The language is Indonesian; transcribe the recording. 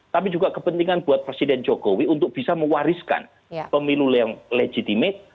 tapi juga kepentingan buat presiden jokowi untuk bisa mewariskan pemilu yang legitimate